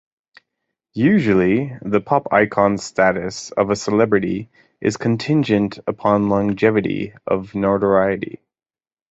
Usually, the pop icon status of a celebrity is contingent upon longevity of notoriety.